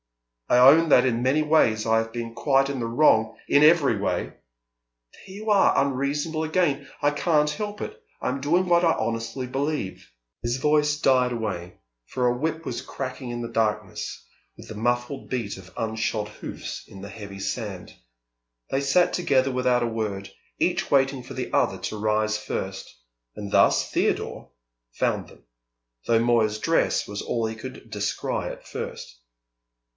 "I own that in many ways I have been quite in the wrong " "In every way!" "There you are unreasonable again. I can't help it. I am doing what I honestly believe " His voice died away, for a whip was cracking in the darkness, with the muffled beat of unshod hoofs in the heavy sand. They sat together without a word, each waiting for the other to rise first; and thus Theodore found them, though Moya's dress was all he could descry at first.